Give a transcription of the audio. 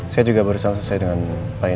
saya juga baru selesai dengan baik